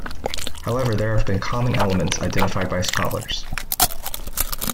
However, there have been common elements identified by scholars.